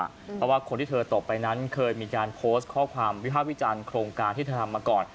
เพราะว่าคนที่เธอตกไปนั้นเคยมีการโพสต์ข้อความวิภาควิจารณ์โครงการที่เธอทำมาก่อน